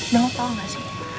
dan lo tau gak sih